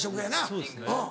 そうですね。